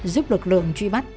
giúp lực lượng truy bắt